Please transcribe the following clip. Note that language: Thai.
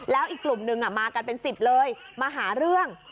แล้วอีกกลุ่มนึงมากันเป็น๑๐เลยมาหาเรื่อง